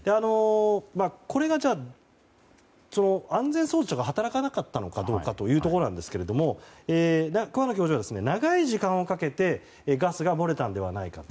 これが安全装置とか働かなかったのかどうかですが桑名教授は長い時間をかけてガスが漏れたのではないかと。